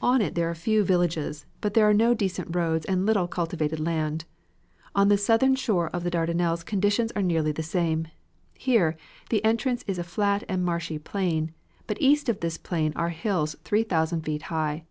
On it are a few villages, but there are no decent roads and little cultivated land. On the southern shore of the Dardanelles conditions are nearly the same. Here, the entrance is a flat and marshy plain, but east of this plain are hills three thousand feet high.